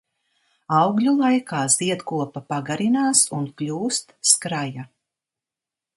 Augļu laikā ziedkopa pagarinās un kļūst skraja.